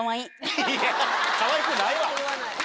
かわいくないわ！